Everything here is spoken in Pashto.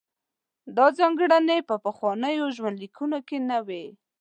دا ځانګړنې په پخوانیو ژوندلیکونو کې نه وې.